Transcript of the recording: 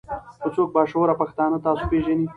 کۀ څوک با شعوره پښتانۀ تاسو پېژنئ